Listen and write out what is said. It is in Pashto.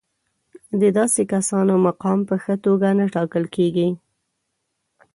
د داسې کسانو مقام په ښه توګه نه ټاکل کېږي.